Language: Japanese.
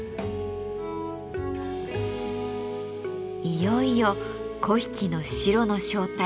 いよいよ粉引の白の正体